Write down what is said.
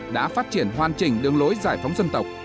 đã phát triển hoàn chỉnh đường lối